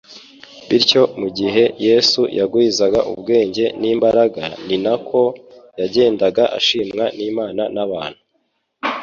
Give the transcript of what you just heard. Bityo mu gihe Yesu yagwizaga ubwenge n'imbaraga ni nako, yagendaga ashimwa n'Imana n'abantu.